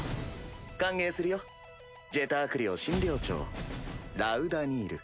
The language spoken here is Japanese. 歓迎するよジェターク寮新寮長ラウダ・ニール。